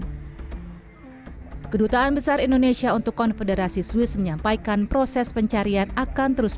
kedutaan besar indonesia untuk konfederasi swiss menyampaikan proses pencarian akan terus